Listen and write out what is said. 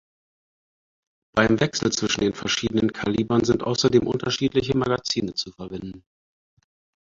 Beim Wechsel zwischen den verschiedenen Kalibern sind außerdem unterschiedliche Magazine zu verwenden.